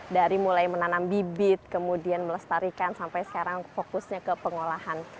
dari mulai menanam bibit kemudian melestarikan sampai sekarang fokusnya ke pengolahan